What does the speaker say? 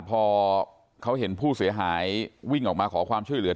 พอเขาเห็นผู้เสียหายวิ่งออกมาขอความช่วยเหลือ